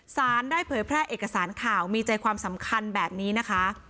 สารได้เผยแพร่เอกสารข่าวมีใจความสำคัญแบบนี้นะคะ